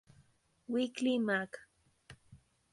Weekly Mag.